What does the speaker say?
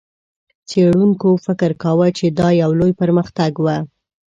څېړونکو فکر کاوه، چې دا یو لوی پرمختګ و.